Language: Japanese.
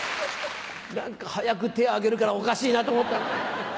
何か早く手を挙げるからおかしいなと思った。